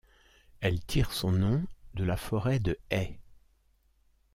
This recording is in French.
Elle tire son nom de la forêt de Haye.